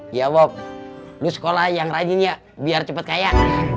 iya bob lo sekolah yang rajin ya biar cepet kaya